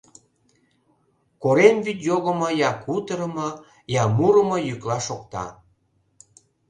Корем вӱд йогымо я кутырымо, я мурымо йӱкла шокта.